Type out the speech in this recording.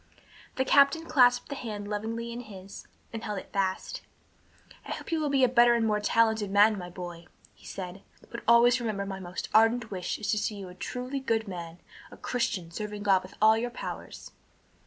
The captain clasped the hand lovingly in his, and held it fast. "I hope you will be a better and more talented man, my boy," he said, "but always remember my most ardent wish is to see you a truly good man, a Christian, serving God with all your powers."